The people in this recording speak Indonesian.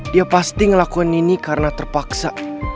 dia pasti ngelakukan ini karena terpaksa